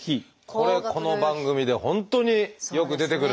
これこの番組で本当によく出てくる。